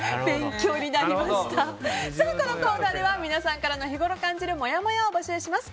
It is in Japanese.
このコーナーでは皆さんからの日ごろ感じるもやもやを募集します。